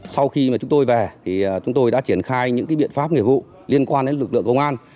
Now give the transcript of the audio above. sau khi chúng tôi về thì chúng tôi đã triển khai những biện pháp nghiệp vụ liên quan đến lực lượng công an